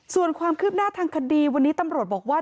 ส่วนความคืบหน้าทางคดีวันนี้ตำรวจบอกว่า